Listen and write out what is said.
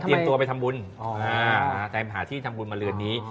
เตรียมตัวไปทำบุญแต่หาที่ทำบุญมาเรือนนี้